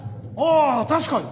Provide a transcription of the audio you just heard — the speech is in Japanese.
あ確かに！